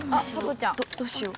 どうしよう？